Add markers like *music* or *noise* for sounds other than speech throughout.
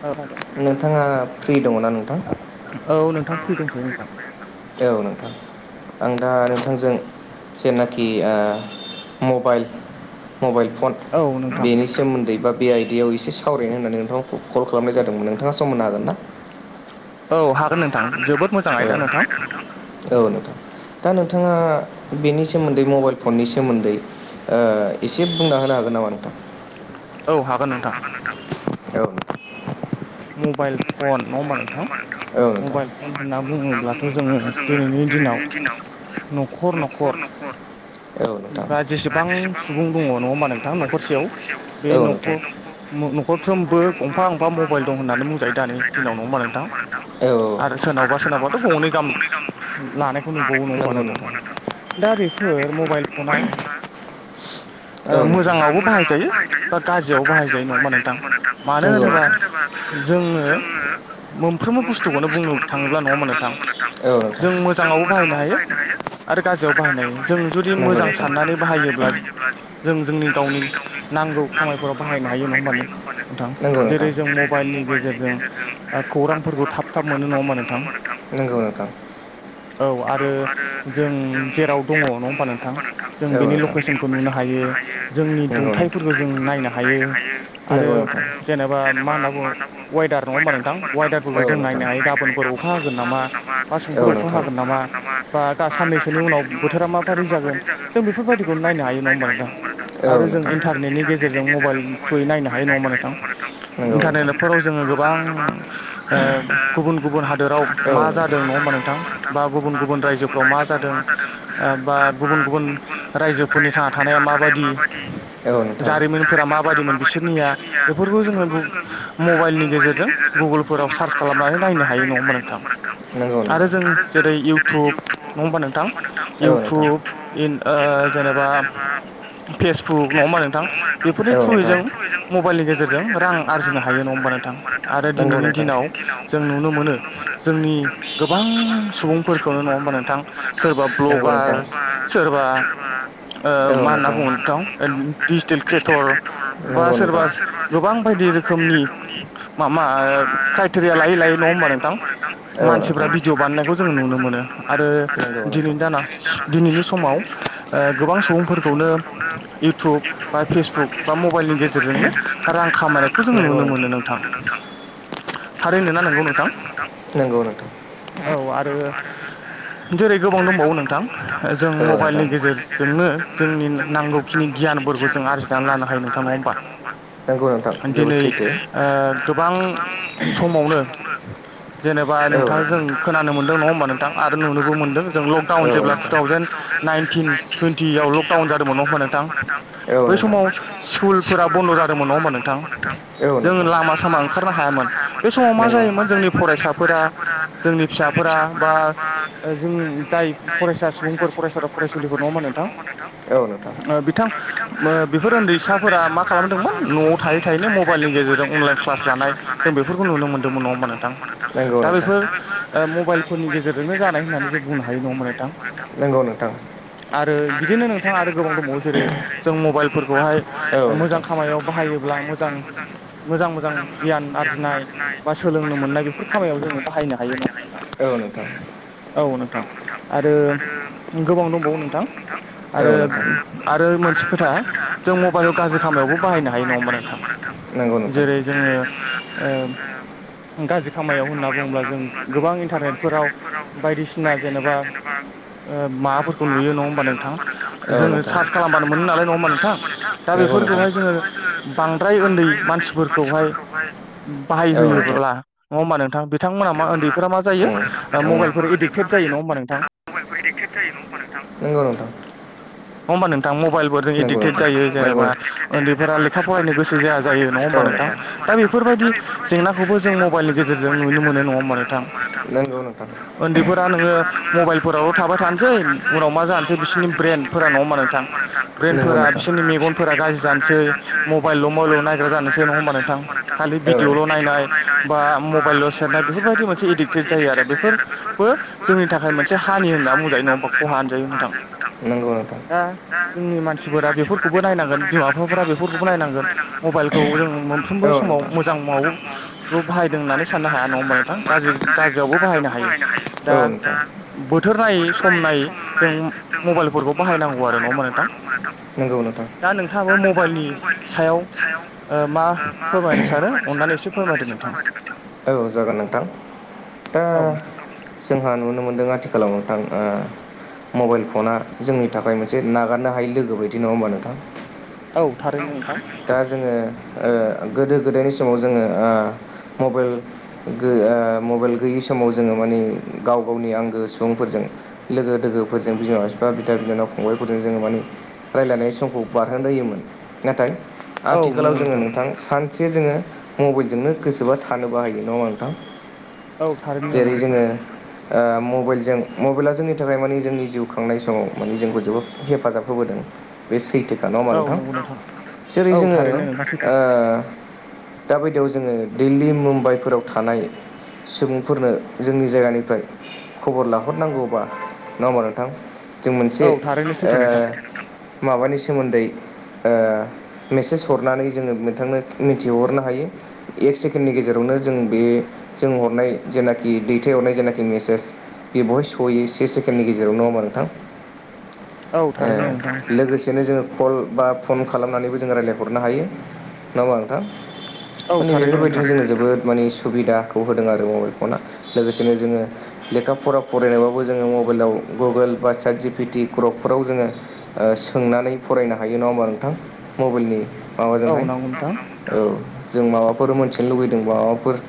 औ नोंथाङा फ्रि दङना नोंथां? औ नोंथां फ्रि दं। औ नोंथां। आं दा नोंथांजों जेनाखि ओ मबाइल मबाइल फन औ नोंथां बेनि सोमोन्दै बा बे आइ बेयाव एसे सावरायनो होननानै नोंथांखौ कल खालामनाय जादोंमोन नोंथाङा सम होनो हागोन ना? औ हागोन नोंथां। जोबोद मोजां ओ आयदा नोंथां औ नोंथां दा नोंथाङा बेनि सोमोन्दै मबाइल फननि सोमोन्दै ओ एसे बुंना होनो हागोन नामा नोंथां? अ हागोन नोंथां। औ। मबाइल फन नङा होमबा नोंथां औ नोंथां मबाइल फन होनना बुङोब्लाथ' जोङो दिनैनि दिनाव न'खर न'खर बा जेसेबां सुबुं दङ नङा होमबा नोंथां न'खरसेयाव बे औ नोंथां नखर न'खरफ्रोमबो गंफा गंफा मबाइल दं होननानै बुंजायो दानि गायनानै दिनाव नङा होमबा नोंथां आरो सोरनावबा सोरनावबाथ' गंनै गाहाम लानायखौ नुबावो नङा होमबा नोंथां दा बेफोर मबाइल फना *inaudible* औ नोंथां ओ मोजाङावबो बाहायजायो बा गाज्रियावबो बाहायजायो नोंथां नंगौ मानो होनोबा जोङो मोनफ्रोमबो बुस्थुखौनो बुंनो थाङोब्ला नङा होमबा नोंथां जों मोजाङावबो बाहायनो हायो आरो गाज्रियाव बाहायनो हायो जों जुद जुदि मोजां साननानै बाहायोब्ला जों जोंनि गावनि नांगौ खामायफोराव बाहायनो हायो नंङा हो नो नोंथां जेरै जों मबाइलनि गेजेरजों ओ खौरांफोरखौ थाब थाब मोनो नङा होमबा नोंथां नोंगौ नोंथां। औ आरो जों जेराव दङ नङा होमबा नों थां जों जेराव औ बेनि नोंथां लकेसनखौ नुनो हायो जोंनि नंगौ नोंथां दुंथाइफोरखौ जों नायनो हायो आरो जेनेबा मा होनना बुङो अवेदार नङा होमबा वेदार नोंथां अवेदारफोरखौ जों नायनो हायो गाबोनफोर अखा अखा हागोन नामा गामा बा औ समफोर अखा नोंथां हागोन नामा बा गा साननैसोनि उनाव बोथोरा माबायदि जागोन जों बेफोरबायदिखौ नायनो हायो नङा होमबा नोंथां आरो जों इन्टारनेटनि गेजेरजों मबाइल थ्रुयै नायनो हायो नङा होमबा नोंथां इन्टारनेटफोराव जोङो गोबां ओ गुबुन गुबुन हादोराव मा जादों नङा होमबा नोंथां बा गुबुन-गुबुन रायजोफ्राव मा जादों ओ बा गुबुन-गुबुन रायजोफोरनि थांना थानाया माबायदि औ नोंथां जारिमिनफोरा माबायदिमोन बिसोर निया मानिया बेफोरखौ बेफोर जोङो गु मबाइलनि गेजेरजों गुगोलफोराव सार्च खालामनानै नायनो हायो हायो नं नङा होनबा नोंथां आरो जों जेरै इउटुब नङा होमबा औ नोंथां नोंथां इउटुब इन ओ जेनेबा फेसबुक नङा होमबा नोंथां नङा होमबा बेफोरनि नोंथां औ थ्रुयै नोंथां जों मबाइलनि गेजेरजों रां आरजिनो हायो नङा होमबा नों थां आरो दिनैनि दिनाव जों नुनो मोनो जोंनि नि गोबां सुबुंफोरखौनो नङा होमबा नोंथां सोरबा नंगौ नोंथां नोंथां ब्लगार सोरबा बबा सोरबा ओ मा औ होनना बुङो नोंथां ओ डिजिटेल स्टिल क्रिटर क्रेटर बा बा नंगौ नोंथां सोरबा गोबां बायदि रोखोमनि मा मा माबा ओ क्राइटेरिया लायै खायथो लायै नङा होमबा नों थां औ मानसिफ्रा नोंथां भिडिअ' बानायनायखौ जोङो नुनो मोनो आरो नंगौ नोंथां दिनैनि दाना दिनैनि समाव ओ गोबां सुबुंफोरखौनो इउटुब बा फेसबुक बा मबाइल नि गेजेरजोंनो रां खामायनायखौ जों नुनो मोनो नोंथां। थारैनो ना नोंगौ नोंथां नंगौ नोंथां औ आरो जेरै गोबां दंबावो नोंथां औ ओ जों नोंथां मबाइलनि गेजेरजोंनो जोंनि नांगौखिनि गियानफोरखौ जों आरजिनानै लानो हायो नोंथां नंगौ नोंथां *unintelligible* जोबोद दिनै सैथो ओ गोबां समावनो जेनेबा औ नोंथां जों खोनानो मोनदों नङा होमबा नोंथां आरो नुनोबो मोनदों जों लकडाउन औ जेब्ला नोंथां टु थावजेेन नाइनटिन टुवेन्टियाव लकडाउन जादोंमोन नङा होमबा नोंथां नों बै समाव स्कुलफोरा बन्द' जादोंमोन नङा होमबा नोंथां औ जों नोंथां लामा सामा ओंखारनो हायामोन बे समाव मा जायोमोन जोंनि फरायसाफोरा जोंनि फिसाफोरा बा जों जाय फरायसा सुबुंफोर फरायसाफोरा फरायसुलिखौ नङामोन नोंथां बिथां बेफोर उन्दै फिसाफोरा मा खालामदोंमोन न'आव थायै थायैनो मबाइलनि गेजेरजों अनलाइन क्लास लानाय जों बेफोरखौ नुनो मोन्दोंमोन नंङा होमबा नोंथां नंगौ दा नोंथां बेफोर मबाइल फोरनि गेजेरजोंनो जानाय होननानै जों बुंनो हायो नंङा ओम नंगौ नोंथां आरो बिदिनो नोंथाङा आरो गोबां दब जेरै जों मबाइलफोरखौहाय औ नोंथां मोजां खामयाव बाहायो ब्ला मोजां मोजां गियान आरजिनाय बा सोलोंनो मोननाय खामायाव जोङो बाहायनो हायो नंङा होमबा नोंथां औ नोंथां आरो गोबां दंबावो नोंथां आरो औ नोंथां आरो मोनसे खोथा जों जों मबल गाज्रि खामायावबो बाहायनो हायो नङा हबा नोंथां जेरै जोङो गाज्रि खामायाव होनना बुङोब्ला जों गोबांनिटारेटफोराव बायदिसिना जेनेबा *unintelligible* माबाफोरखौ नुयो नङा होमबा नोंथां जोङो सार्च खालामबानो मोनो नालाय नङा होमबा नोंथां दा बेफोर नंगौ नोंथां फोरखौहाय जोङो बांद्राय उन्दै मानसिफोरखौहाय बाहाय औ नोंथां होयोब्ला नङा होमबा नोंथां बिथांमोना मा उन्दैफोरा मा उम जायो मबाइलफोर एडिक्टेड जायो नङा होमबा नोंथां *inaudible* नङा होमबा नोंथां मबाइलफोरजों एडिक्टेड नंगौ जायो जेनेबा उन्दैफोरा लेखा फरायनो गोसो जाया नोंथां जायो नङा होमबा नोंथां दा बेफोरबायदि *unintelligible* जेंनाखौबो जों मबाइलनि गेजेरजों नुनो मोनो नङा होमबा नोंथां *inaudible* *inaudible* मबाइलफोरावनो थाबाय थानोसै उनाव मा जानोसै बिसिोरनि ब्रेनफोरा नङा मान दां ब्रेनफोरा बिसोरनि मेगनफोरा गाज्रि जानोसै मबाइल' मबाइल नायग्रा जानोसै अखबा थां भिडिअल' नायनाय बा मबाइलल' सेरनाय बेफोरबायदि मोनसे एदिक्टेड जायो आरो बेफोरबो जोंनि थाखाय मोनसे हानि होनना मोजाङै जोंनि दा मानसि जोंनि मानसिफोरा बेफोरखौबो नायनांगोन बिफाफोरा बिमा बिफफोरा बेफोरखौबो बेफोरखौ नायनांगोन मबाइलखौ जों मोनफ्रोमबो मबाइलखौ समाव मोजां मोजाङावल' मोनो बाहायदों होननानै साननो हा साननो हाया नङाोंथां गाज गाज्रियावबो बाहायनो हायो औ दा बोथोर नायै सम नायै जों मबाइलफोरखौ मबाइलफोरखौ नङा होमबा बाहायनांगौ आरो नोंथां न' मोननोथ' दा नोंथाङाबो मबाइलनि सायाव मा फोरमायनो सानो अननानै एसे फोरमायदो नोंथां औ जागोन नोंथां दा औ नोंथां जोंहा नुनो मोनदों आथि खालाव नोंथां मबाइल फना जोंनि थाखाय मोनसे नागारनो हायि लोगो बायदि नङा होमबा नोंथां औ थारैनो नोंथां दा जोंङो ओ गोदो गोदायनि समाव जोङो ओ मबाइल गैया मबाइल गैयि समाव जोङो माने गाव गावनि आंगो सुबुंफोरजों लोगो लोगोफोरजों बिमा बिफा बिदा बिनाव फंबायफोरजों जोङो माने रायजलायनाय समखौ बारहोन होयोमोन नाथाय औ आथिखालाव नंगौ जोङो नोंथां सानसे जोङो मबाइलजोंनो गोसोबा थानोबो हायो। नंङा होमबा नोंथां औ थारैनो जेरै नंगौ नोंथां जोङो ओ मबाइलजों मबाइला जोंनि थाखाय माने जोंनि जिउ खांनाय समाव माने जोंखौ जोबोद हेफाजाब होबोदों। बे सैथोखा नंङा होमबा औ नोंथां नंगौ जेरै औ जोङो थारैनो नोंथां सैथो दााबायदियाव जोङो दिल्ली मुम्बाइफोराव थानाय सुबुंफोरनो जोंनि जायगानिफ्राय खबर लाहरनांगौबा नङा होमबा नोंथां जों मोनसे औ थारैनो ओ सैथो नोंथां माबानि सोमोन्दै ओ मेसेज हरनानै जोङो नोंथांनो मिथिहोहरनो हायो एक सेकेणडनि गेजेरावनो जों बे जों हरनाय जेनाखि दैथायहरनाय जेनाखि मेसेज *unintelligible* सहै से सेकेननि गेजेरावनो नङा होमा नोंथां औ थारैनो नोंथां लोगोसेनो जोङो कल बा फन खालामनानैबो जों रायलायहरनो हायो नङा ओमबा नोंथां औ माने थारैनो बेफोरबायदिनो नोंथां जोङो जोबोद मानि सुबिदाखौ होदों आरो मबाइल फना लोगोसेनो जोङो लेखा फरा फरायनायावबाबो जोङो म गुगोलाव गुगोल बा चातजिपिटि क्रपफोराव जोङो ओ सोंनानै फरायनो हायो नङा होमबा नों थां मबेइलनि औ माबाजोंहाय नंगौ नोंथां औ जों माबाफोर मोनथिनो लुबैदों माबा फोर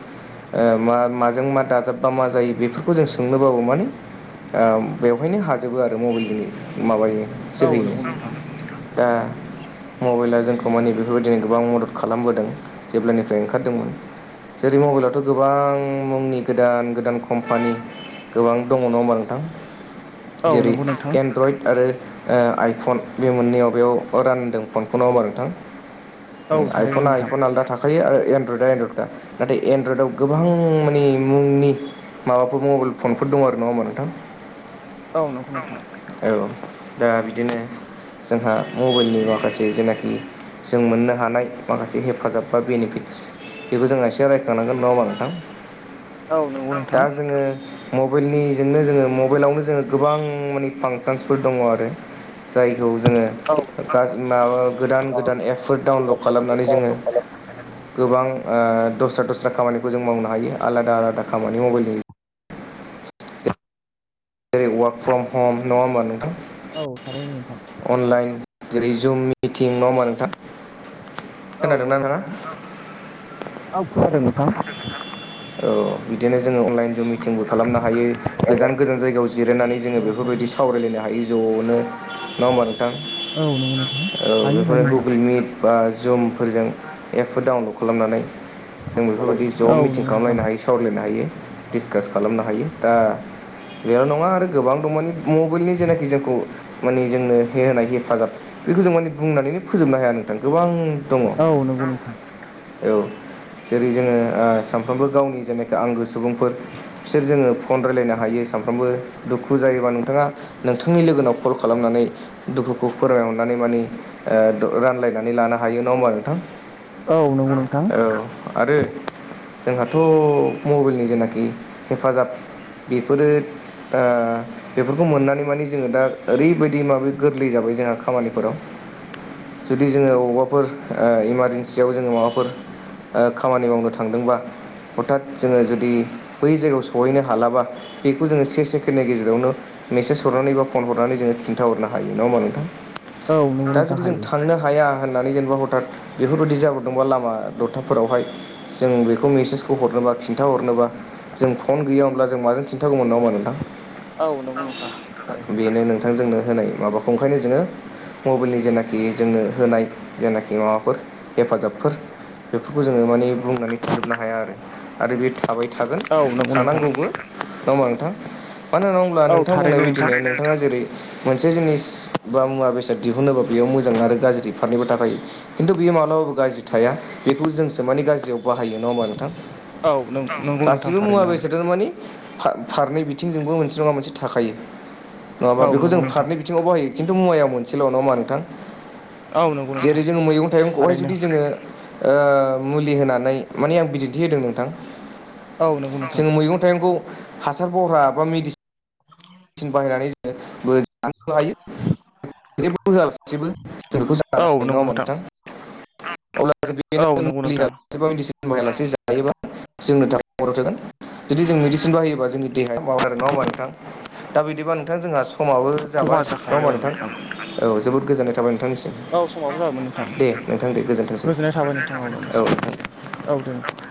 ओ मा माजों मा दाजाबबा मा जायो बेफोरखौ जों सोंनोबाबो माने ओ बेवहायनो हाजोबो आरो मबेइलजों माबायो औ जोहैनो नंगौ नोंथां दा मबाइला जोंखौ मानि बेफोरबायदिनो गोबां मदद खालामबोदों जेब्लानिफ्राय ओंखारदोंमोन जेरै मबाइलावथ' गोबां मुंनि गोदान गोदान कम्पानि गोबां दङ' नङा होमबा नोंथां औ जेरै नंगौ नोंथां एन्ड्रइड आरो ओ आइफन बे मोननैयाव बेयाव रानदों फनखौ‌ नङा होमबा नोंथां औ ओं थारैनो आइफना नोंथां आइफन आलदा थाखायो आरो एन्डरयदआ एन्दरयदा नाथाय एनड्रयडआव गोबां मानि मुंनि माबाफोर मबिल फनफोर दं आरो नङा होमबा नोंथां औ नंगौ नोंथां औ दा बिदिनो जोंहा मबेलनि माखासे जेनाखि जों मोननो हानाय माखासे हेफाजाब बा बेनिफिटस बेखौ जोङो रायखांनांगोन नङा ओमबा नोंथां औ नंगौ नोंथां दा जोङो मबेलनिजोंनो जोङो मबाइलावनो जोङो गोबां माने फांसनसफोर दङ' आरो जायखौ जोङो औ नंगौ नोंथां माबा गोदान गोदान एपफोर डाउनलड खालामनानै जोङो गोबां ओ दस्रा दस्रा खामानिखौ जों मावनो हायो आलादा आलादा खामानि मबेलनि जेरै वार्क फ्रम हम नङा होमबा नोंथां औ थारैनो नोंथां अनलाइन जेरै जुम मिटिं नङा होमबा नोंथां औ खोनादोंना नंगौ नोंथाङा नोंथां औ खोनादों नोंथां औ बिदिनो जोङो अनलाइन जों मिटिंबो खालामनो हायो औ गोजान गोजान जायगायाव जिरायनानै जोङो बेफोरखौ हायो बेफोरबायदि सावरायलायनो हायो ज' नो नङा होमबा नोंथां नंगौ नोंथां औ हायो हायो बेफोरनो नोंथां। गुगोल मिट बा जुमफोरजों एपफोर डाउनलड खालामनानै जों बेफोरबायदि ज' औ मिटिं नंगौ नोंथां खालामलायनो हायो सावरायलायनो हायो डिसकास खालामनो हायो दा बेयाव नङा आरो गोबां दं मानि मबाइलनि जेनाखि जोंखौ मानि जोंनो हे होनाय हेफाजाब बेखौ जों माने बुंनानैनो फोजोबनो हाया नोंथां गोबां दङ औ नंगौ नोंथां औ जेरै जोङो ओ सानफ्रोमबो गावनि जेनाखि आंगो सुबुंफोर बिसोर जोङो फन रायलायनो हायो सान फ्रोमबो दुखु जायोबा नोंथाङा नोंथांनि लोगोनाव कल खालामनानै दुखुखौ फोरमायहरनानै मानि ओ दो रानलायनानै लानो हायो नङा होमबा नोंथां औ नंगौ नोंथां औ आरो जोंहाथ' मबेइलनि जेनाखि हेफाजाब बेफोरो ओ बेफोरखौ मोननानै माने जोङो दा ओरैबायदि माबे गोरलै जाबाय जोंहा खामानिफोराव जुदि जोङो अबावबाफोर ओ इमारजेन्सियाव जोङो माबाफोर ओ खामानि मावनो थांदोंबा हथात जोङो जुदि बै जायगायाव सहैनो हालाबा बेखौ जोङो से सेकेण्डनि गेजेरावनो मेसेज हरनानै बा फन हरनानै जोङो खिन्थाहरनो हायो नङा होमबा नोंथां। औ नंगौ दा नोंथां जुदि जों हायो। थांनो हाया होननानै जेनेबा हथात बेफोरबायदि जाब्रदोंबा लामा द था फोरावहाय जों बेखौ मेसेसखौ हरनोबा खिन्था हरनोबा जों फन गैया अब्ला जों माजों खिन्थागौमोन नङा होमबा नोंथां। औ नंगौ नोंथां थारैनो बेनो नोंथां जोंनो होनाय माबाखौ ओंखायनो जोङो मबेइलनि जेनाखि जोंनो होनाय जेनाखि माबाफोर हेफाजाबफोर बेफोरखौ जोङो माने बुंनानै फोजोबनो हाया आरो। आरो बे थाबाय थागोन औ नंगौ नोंथां थानांगौबो नङा होनबा नोंथां। मानो होनना बुङोब्ला औ नोंथां बुंनाय थारैनो बायदिनो नोंथां नोंथाङा जेरै मोनसे जिनिस बा मुवा बेसाद दिहुनोबा बेयाव मोजां आरो गाज्रि फारनैबो थाखायो खिन्थु बे याव मालाबाबो गाज्रि थाया बेखौ जोंसो माने गाज्रियाव बाहायो नङा होमबा नोंथां। औ नंगौ नोंथां गासिबो मुवा थारैनो बेसादानो माने फा-फा-फारनै बिथिंजोंबो मोनसे नङा मोनसे थाखायो नङाबा औ बेखौ नंगौ जों नोंथां फारनै बिथिङाव बाहायो। खिन्थु मुवाया मोनसेल नङा होनबा नोंथां। औ नंगौ जेरै नोंथां जोङो मैगं थाइगंखौहाय थारैनो जुदि जोङो ओ मुलि होनानै माने आं बिदिन्थि होदों नोंथां। औ नंगौ नोंथां जोङो मैगं थाइगंखौ हासार बरहा बा मेडि बाहायनानै जोङो *unintelligible* नोबो हायो *unintelligible* जेबो होआलासेबो जों बेखौ औ जानो हायो नङा नंगौ होमबा नोंथां। अब्लासो बेनो औ जों नंगौ मुलि नोंथां बासिमायालासे जायोबा जोंनो थाखाय मदद जागोन। जुदि जों मेडिसिन बाहायोबा जोंनि देहाया खहा जागोन नङा होमबा नोंथां। दा बिदिबा नोंथां जोंहा स माबो खहा जाबाय नङा जाखायो होमबा औ नोंथां। औ जोबोद गोजोननाय थाबाय नोंथांनिसिम औ समाबो जाबायमोन नोंथां दे। नोंथां दे गोजोन्थोंसै गोजोननाय थाबाय नोंथां औ। नोंनिसिम औ दे नोंथां।